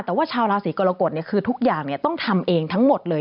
แต่ว่าชาวราศีกรกฎคือทุกอย่างต้องทำเองทั้งหมดเลย